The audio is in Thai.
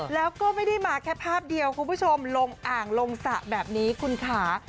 แล้วก็ไม่ได้มาแค่ภาพเดียวคุณผู้ชมลงอ่างลงสระแบบนี้คุณค่ะ